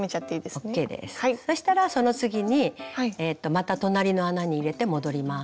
そしたらその次にまた隣の穴に入れて戻ります。